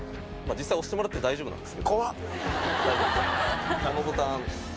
実際押してもらって大丈夫です。